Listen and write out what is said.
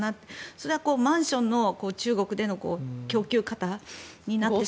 それはマンションの中国での供給過多になって。